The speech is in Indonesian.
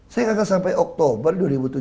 saya tidak akan sampai oktober